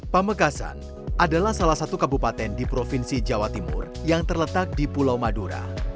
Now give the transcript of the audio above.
pamekasan adalah salah satu kabupaten di provinsi jawa timur yang terletak di pulau madura